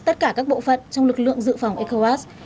tất cả các bộ phận trong lực lượng dự phòng ecowas